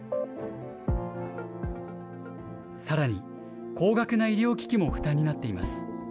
さらに、高額な医療機器も負担になっています。